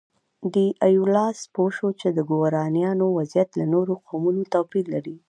ډي ایولاس پوه شو چې د ګورانیانو وضعیت له نورو قومونو توپیر لري.